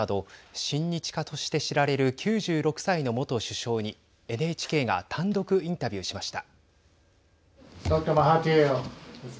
イースト政策を掲げるなど親日家として知られる９６歳の元首相にＮＨＫが単独インタビューしました。